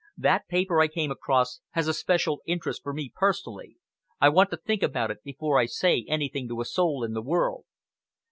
That paper I came across has a special interest for me personally. I want to think about it before I say anything to a soul in the world."